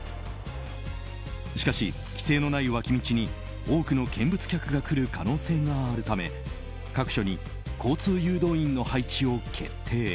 しかし、規制のない脇道に多くの見物客が来る可能性があるため各所に交通誘導員の配置を決定。